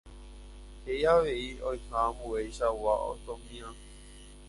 Hei avei oĩha ambueichagua ostomía.